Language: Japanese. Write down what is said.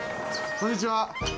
こんにちは。